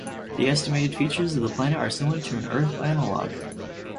The estimated features of the planet are similar to an Earth analog.